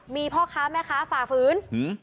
มีพ่อค้าแม่ค้าฝ่าฝืน